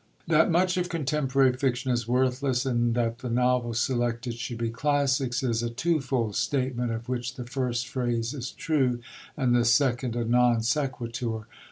That much of contemporary fiction is worthless, and that the novels selected should be classics, is a twofold statement, of which the first phrase is true and the second a non sequitur.